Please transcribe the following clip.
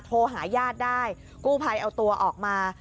โทรหาญาติได้กู้ภัยเอาตัวออกมา